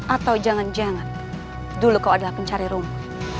atau jangan jangan dulu kau adalah pencari rumah